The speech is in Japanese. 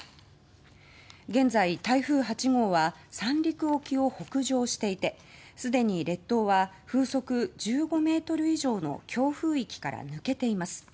現在、台風８号は三陸沖を北上していてすでに列島は風速１５ｍ以上の強風域から抜けています。